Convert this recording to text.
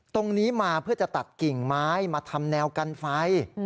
ตรงนี้มาเพื่อจะตัดกิ่งไม้มาทำแนวกันไฟ